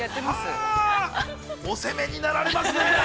◆はー、お攻めになられますね。